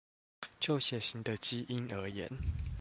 就血型的基因而言